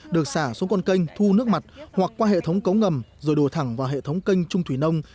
được xả xuống con canh thu nước mặt hoặc qua hệ thống cấu ngầm rồi đổ thẳng vào hệ thống canh trung thủy nông